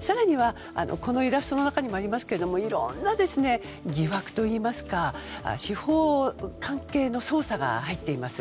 更には、このイラストの中にもありますけどいろんな疑惑といいますか司法関係の捜査が入っています。